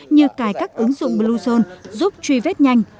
như cài các ứng dụng bluezone giúp truy vết nhanh